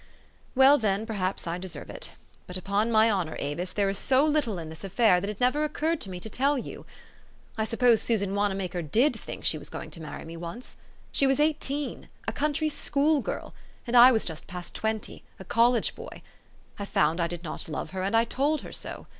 Well, then ; perhaps I deserve it. But upon my honor, Avis, there is so little in this affair, that it never occurred 304 THE STORY OF AVIS. to me to tell you. I suppose Susan Wanamakcr did think she was going to marry me once. She was eighteen, a country school girl: I was just past twenty, a college boy. I found I did not love her, and I told her so.